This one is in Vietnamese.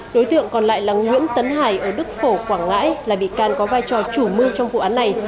đối tượng còn lại là nguyễn tấn hải ở đức phổ quảng ngãi là bị can có vai trò chủ mưu trong vụ án này